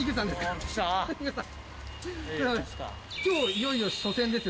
今日いよいよ初戦ですよ。